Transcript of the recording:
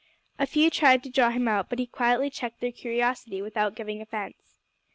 A few tried to draw him out, but he quietly checked their curiosity without giving offence.